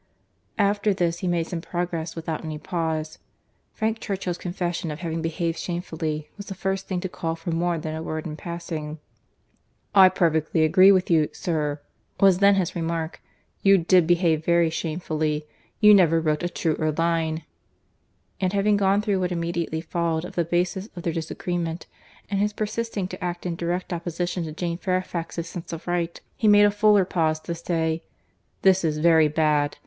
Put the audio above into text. After this, he made some progress without any pause. Frank Churchill's confession of having behaved shamefully was the first thing to call for more than a word in passing. "I perfectly agree with you, sir,"—was then his remark. "You did behave very shamefully. You never wrote a truer line." And having gone through what immediately followed of the basis of their disagreement, and his persisting to act in direct opposition to Jane Fairfax's sense of right, he made a fuller pause to say, "This is very bad.